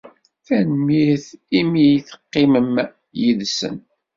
Tanemmirt imi ay teqqimem yid-sen.